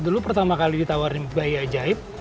dulu pertama kali ditawarin bayi ajaib